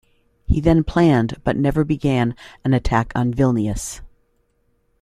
He then planned but never began an attack on Vilnius.